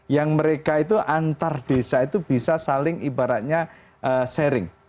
yang mereka itu antar desa itu bisa saling ibaratnya sharing